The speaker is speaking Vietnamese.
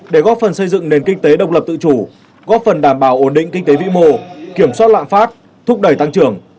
để góp phần xây dựng nền kinh tế độc lập tự chủ góp phần đảm bảo ổn định kinh tế vĩ mô kiểm soát lạm phát thúc đẩy tăng trưởng